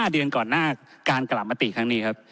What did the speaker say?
๕เดือนก่อนหน้าการกลับมาติครั้งนี้ครับ